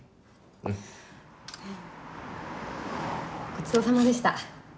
ごちそうさまでした。